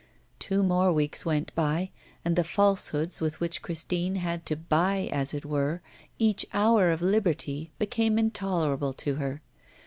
Two more weeks went by, and the falsehoods with which Christine had to buy, as it were, each hour of liberty became intolerable to her.